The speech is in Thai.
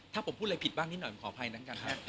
ถ้าผมพูดอะไรผิดบ้างนิดหน่อยขออภัยนะครับ